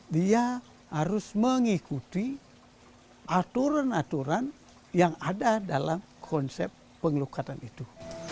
dia harus mengikuti aturan aturan yang ada dalam konsep pengelukatan itu